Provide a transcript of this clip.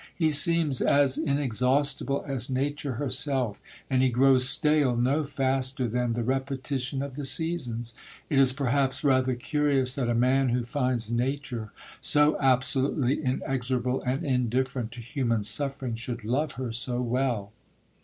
He seems as inexhaustible as nature herself, and he grows stale no faster than the repetition of the seasons. It is perhaps rather curious that a man who finds nature so absolutely inexorable and indifferent to human suffering should love her so well.